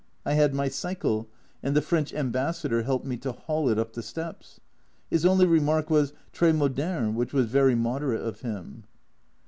I had my cycle, and the French Ambassador helped me to haul it up the steps ! His only remark was, " Tres moderne," which was very moderate of him.